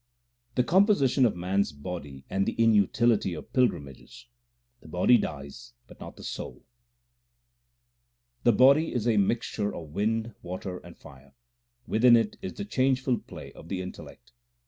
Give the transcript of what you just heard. The composition of man s body and the inutility of pilgrimages ; the body dies, but not the soul : The body is a mixture of wind, water, and fire ; Within it is the changeful play of the intellect.